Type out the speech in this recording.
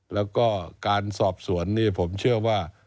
แล้วก็การสอบสวนผมเชื่อว่า